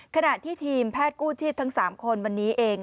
ขณะที่ทีมแพทย์กู้ชีพทั้ง๓คนวันนี้เอง